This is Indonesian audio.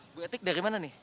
bu etik dari mana nih